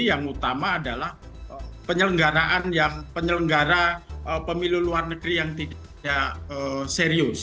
yang utama adalah penyelenggaraan yang penyelenggara pemilu luar negeri yang tidak serius